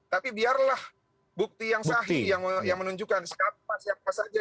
tapi biarlah bukti yang sahih yang menunjukkan siapa siapa saja